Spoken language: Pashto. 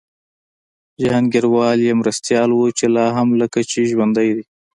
جهانګیروال یې مرستیال و چي لا هم لکه چي ژوندی دی